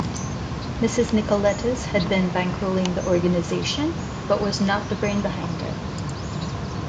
Mrs Nicoletis had been bankrolling the organisation, but was not the brain behind it.